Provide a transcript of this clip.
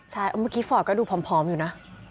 ใช่เมื่อกี้ฟอร์ตก็ดูพร้อมอยู่นะ